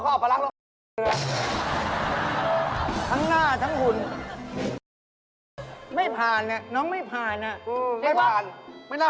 โอ๊ยเขากำลังอับประลักษณ์ละ